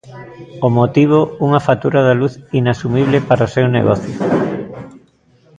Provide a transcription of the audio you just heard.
O motivo, unha factura da luz inasumible para o seu negocio.